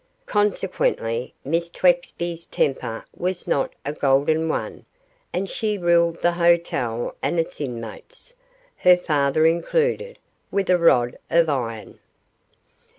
Consequently Miss Twexby's temper was not a golden one, and she ruled the hotel and its inmates her father included with a rod of iron.